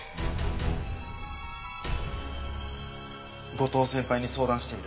後藤先輩に相談してみる。